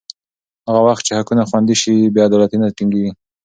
هغه وخت چې حقونه خوندي شي، بې عدالتي نه ټینګېږي.